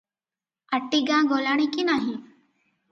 ଆଟିଗାଁ ଗଲାଣି କି ନାହିଁ?